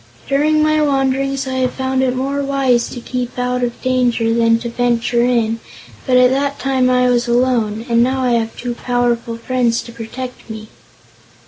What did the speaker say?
During my wanderings I have found it more wise to keep out of danger than to venture in, but at that time I was alone, and now I have two powerful friends to protect me."